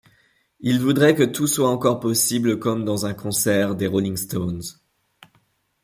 Ils voudraient que tout soit encore possible comme dans un concert des Rolling Stones.